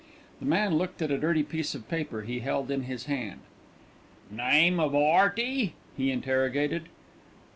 The man looked at a dirty piece of paper he held in his hand. "Name of 'Earty?" he interrogated.